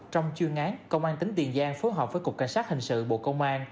trong chuyên án công an tỉnh tiền giang phối hợp với cục cảnh sát hình sự bộ công an